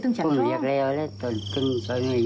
น้องจ้อยขึ้นไปตั้งฉันข้อ